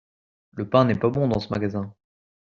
Le pain n'est pas bon dans ce magasin.